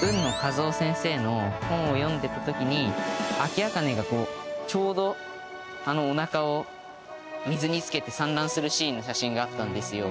海野和男先生の本を読んでた時にアキアカネがこうちょうどおなかを水につけて産卵するシーンの写真があったんですよ。